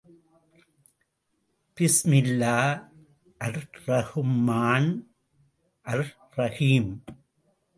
பிஸ்மில்லா அர்ரஹ்மான் அர்ரஹீம்.